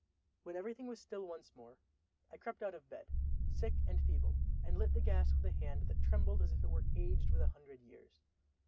When everything was still once more, I crept out of bed, sick and feeble, and lit the gas with a hand that trembled as if it were aged with a hundred years.